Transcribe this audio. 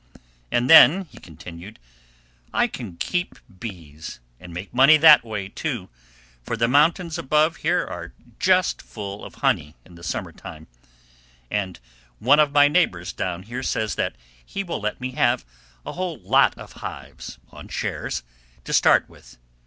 And then," he continued, "I can keep bees, and make money that way, too, for the mountains above here are just full of honey in the summer time, and one of my neighbors down here says that he will let me have a whole lot of hives, on shares, to start with.